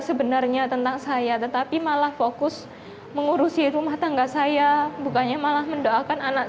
sebenarnya tentang saya tetapi malah fokus mengurusi rumah tangga saya bukannya malah mendoakan anak